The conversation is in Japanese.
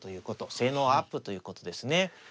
性能アップということですね。